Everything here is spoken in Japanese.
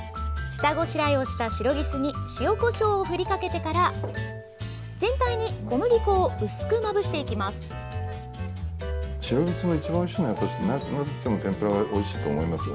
下ごしらえをしたシロギスに塩、こしょうを振りかけてから全体に小麦粉を薄くまぶしていきます。